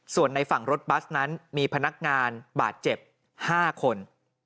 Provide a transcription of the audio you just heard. ส่วนในฝั่งรถบัสนั้นมีพนักงานบาดเจ็บ๕คน